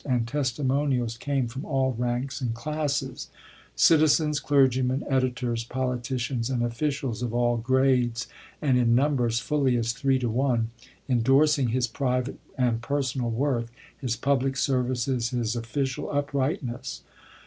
and testimonials came from all ranks and classes, — citizens, clergymen, editors, politicians, and offi cials of all grades, and in numbers fully as three to one, — indorsing his private and personal worth, his public services, his official uprightness.